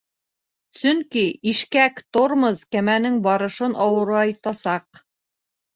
Сөнки ишкәк-тормоз кәмәнең барышын ауырайтасаҡ.